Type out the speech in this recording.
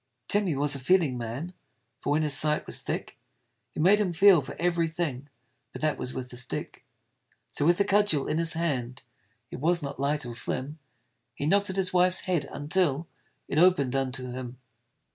Tim he was a feeling man: For when his sight was thick, It made him feel for every thing But that was with a stick. So with a cudgel in his hand It was not light or slim He knocked at his wife's head until It open'd unto him.